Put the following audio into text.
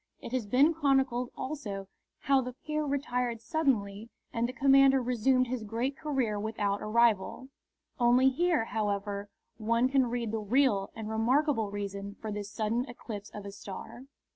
It has been chronicled also how the peer retired suddenly and the commoner resumed his great career without a rival. Only here, however, one can read the real and remarkable reason for this sudden eclipse of a star.